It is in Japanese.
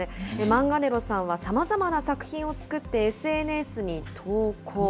マンガネロさんはさまざまな作品を作ってＳＮＳに投稿。